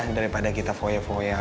daripada kita foya foya